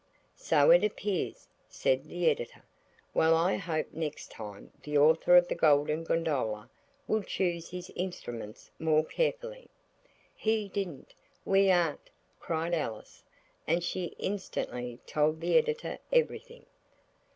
"So it appears," said the Editor. "Well, I hope next time the author of the 'Golden Gondola' will choose his instruments more carefully." "He didn't! We aren't!" cried Alice, and she instantly told the Editor everything.